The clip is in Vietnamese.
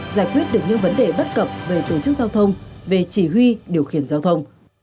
giải quyết được những vấn đề bất cập về tổ chức giao thông về chỉ huy điều khiển giao thông